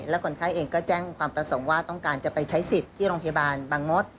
และคนไข้เองก็แจ้งความประสงค์ว่าต้องการจะไปใช้สิทธิ์ที่โรงพยาบาลบางมศ